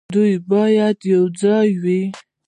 دوی باید یوځای وي.